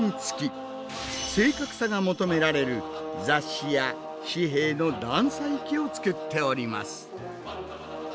正確さが求められる雑誌や紙幣の断裁機を作っております。